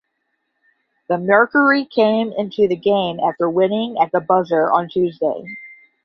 The Mercury came into the game after winning at the buzzer on Tuesday.